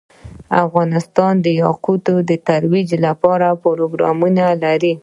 افغانستان د یاقوت د ترویج لپاره پروګرامونه لري.